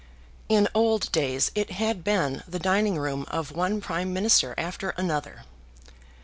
In old days it had been the dining room of one Prime Minister after another.